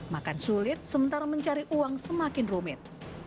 makan sulit sementara mencari uang semakin rumit